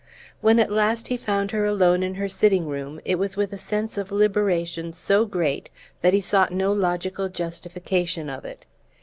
When at last he found her alone in her sitting room it was with a sense of liberation so great that he sought no logical justification of it.